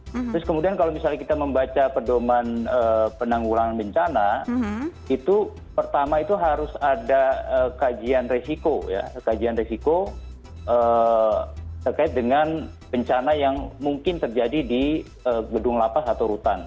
terus kemudian kalau misalnya kita membaca pedoman penanggulangan bencana itu pertama itu harus ada kajian resiko ya kajian resiko terkait dengan bencana yang mungkin terjadi di gedung lapas atau rutan